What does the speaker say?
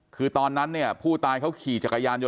คือตอนนั้นเนี่ยผู้ตายเขาขี่จักรยานยน